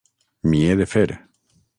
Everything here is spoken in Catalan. M'hi he de fer.